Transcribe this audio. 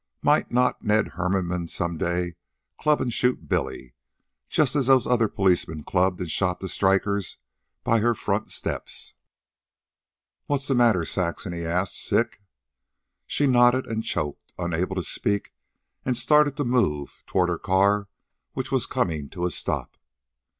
Might not Ned Hermanmann some day club and shoot Billy just as those other policemen clubbed and shot the strikers by her front steps? "What's the matter, Saxon?" he asked. "Sick?" She nodded and choked, unable to speak, and started to move toward her car which was coming to a stop.